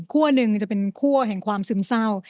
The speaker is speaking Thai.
หนึ่งจะเป็นคั่วแห่งความซึมเศร้า